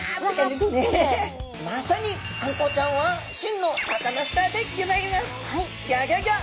まさにあんこうちゃんは真のサカナスターでギョざいます！